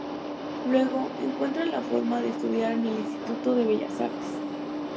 Luego, encuentra la forma de estudiar en el Instituto de Bellas Artes.